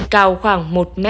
cao khoảng một m sáu mươi năm cm